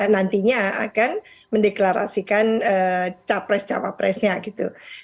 nantinya akan mendeklarasikan capres cawapresnya gitu